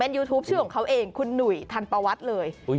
ยูทูปชื่อของเขาเองคุณหนุ่ยทันประวัติเลย